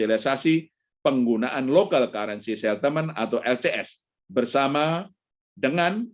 serta melanjutkan sosialisasi penggunaan lokal currency settlement atau lcs bersama dengan